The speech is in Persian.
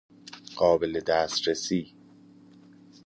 قابل دسترسی